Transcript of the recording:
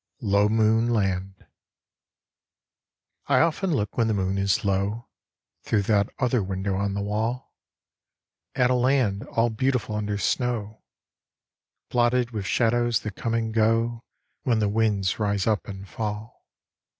LOW MOON LAND I OFTEN look when the moon is low Thro' that other window on the wall, At a land all beautiful under snow, Blotted with shadows that come and go When the winds rise up and fall.